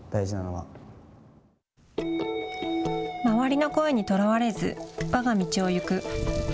周りの声にとらわれず我が道を行く。